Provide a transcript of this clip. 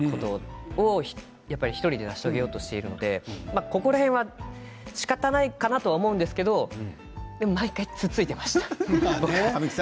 それを１人で成し遂げようとしているのでそこら辺はしかたがないかなと思うんですけどでも毎回つっついていました。